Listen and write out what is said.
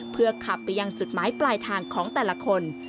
เพื่อขับไปยังจุดหมายปลายทางของแต่ละคน